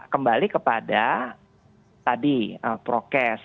kembali kepada tadi prokes